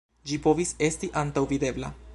Ĝi povis esti antaŭvidebla.